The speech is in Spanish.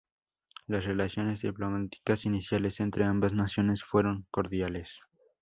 Las relaciones diplomáticas iniciales entre ambas naciones fueron cordiales.